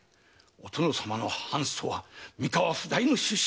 お殿様の藩祖は三河譜代の出身。